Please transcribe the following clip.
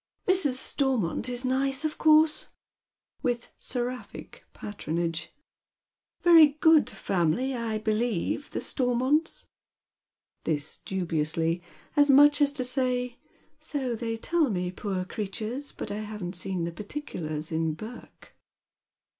" Mrs. Stormont is nice, of course," with seraphic patronage, " veiy good family, I believe, the Stormonts," — this dubiously, as much as to saj', " so they tell me, poor creatures, but I haven't eeen the particulars in Burke."